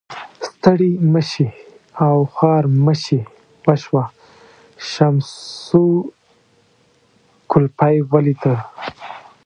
ستړي مشي او خوارمشي وشوه، شمشو کولپۍ ولیده.